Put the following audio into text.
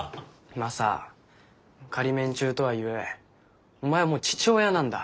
マサ仮免中とはいえお前もう父親なんだ。